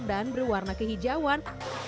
dan berwarna kehijauan